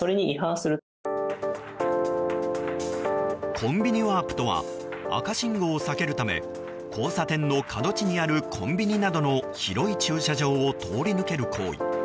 コンビニワープとは赤信号を避けるため交差点の角地にあるコンビニなどの広い駐車場を通り抜ける行為。